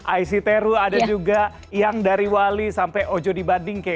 aisy teru ada juga yang dari wali sampai ojo dibanding ke